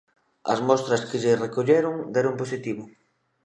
As mostras que lle recolleron deron positivo.